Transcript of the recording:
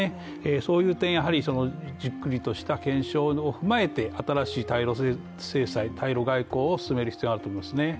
そういう点、じっくりとした検証を踏まえて新しい対ロ制裁、対ロ外交を進める必要があると思いますね。